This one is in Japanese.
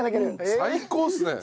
最高っすね！